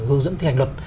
hướng dẫn thi hành luật